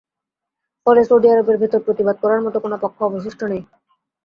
ফলে সৌদি আরবের ভেতরে প্রতিবাদ করার মতো কোনো পক্ষ অবশিষ্ট নেই।